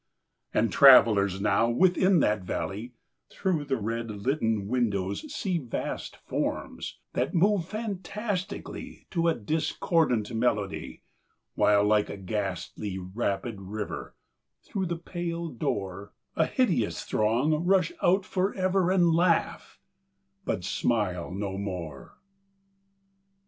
And travellers, now, within that valley, Through the red litten windows see Vast forms, that move fantastically To a discordant melody, While, like a ghastly rapid river, Through the pale door A hideous throng rush out forever And laugh but smile no more.